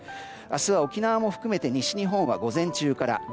明日は沖縄も含めて西日本は午前中から。